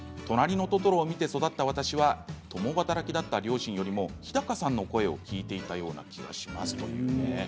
３０代の方は「となりのトトロ」を見て育った私は共働きだった両親よりも日高さんの声を聞いていたような気がするということです。